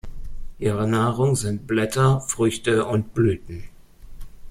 Ihre Nahrung sind Blätter, Früchte und Blüten.